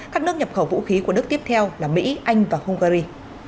các nước nhập khẩu vũ khí của đức tiếp theo là mỹ anh và hungary